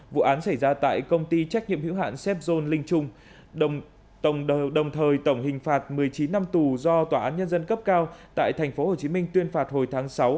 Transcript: vụ án xảy ra tại công ty trách nhiệm hữu hạn sepol linh trung đồng thời tổng hình phạt một mươi chín năm tù do tòa án nhân dân cấp cao tại tp hcm tuyên phạt hồi tháng sáu